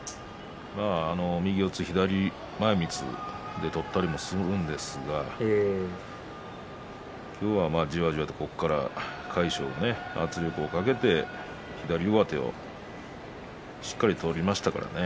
右四つ、左前みつを取ったりもするんですが今日は、じわじわと魁勝が圧力をかけて、左上手をしっかり取りましたからね。